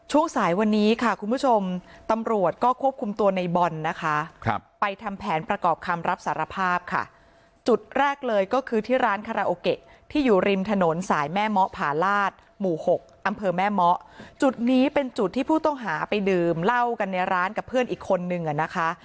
หมู่หกอำเภอแม่เมาะจุดนี้เป็นจุดที่ผู้ต้องหาไปดื่มเหล้ากันในร้านกับเพื่อนอีกคนนึงอ่ะนะคะ